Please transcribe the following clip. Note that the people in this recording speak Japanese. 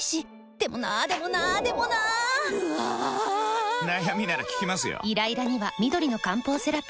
でもなーでもなーでもなーぬあぁぁぁー！！！悩みなら聞きますよ。